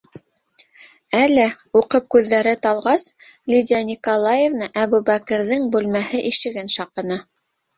Әле, уҡып күҙҙәре талғас, Лидия Николаевна Әбүбәкерҙең бүлмәһе ишеген шаҡыны: